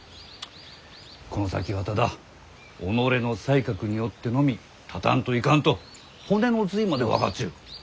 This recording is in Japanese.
この先はただ己の才覚によってのみ立たんといかんと骨の髄まで分かっちゅう。